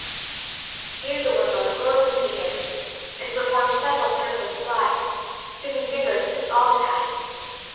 Here the Woodlark rose into the air, and performed several circling flights, singing vigorously all the time.